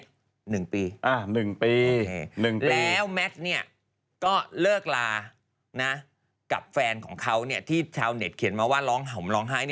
หนึ่งปี๑ปี๑ปีแล้วแมทก็เลิกลากับแฟนของเขาที่ชาวเน็ตเขียนมาว่าร้องห่มร้องไห้